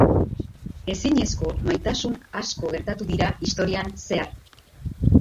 Ezinezko maitasun asko gertatu dira historian zehar.